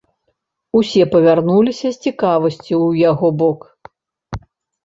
Усе павярнуліся з цікавасцю ў яго бок.